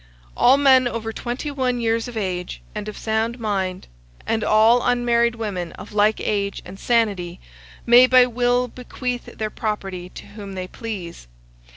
All men over twenty one years of age, and of sound mind, and all unmarried women of like age and sanity, may by will bequeath their property to whom they please.